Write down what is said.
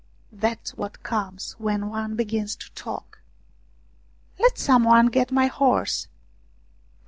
That's what comes when one begins to talk. " Let some one get my horse